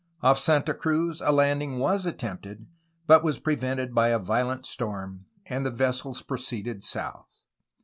Off Santa Cruz a landing was attempted, but was prevented by a violent storm, and the vessels proceeded south.